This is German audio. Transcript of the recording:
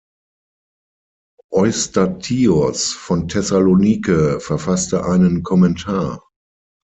Eustathios von Thessalonike verfasste einen Kommentar.